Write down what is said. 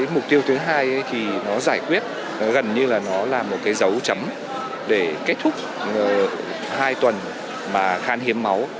mục tiêu thứ hai thì nó giải quyết gần như là nó là một dấu chấm để kết thúc hai tuần khăn hiến máu